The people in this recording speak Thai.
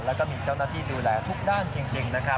แล้วก็มีเจ้าหน้าที่ดูแลทุกด้านจริงนะครับ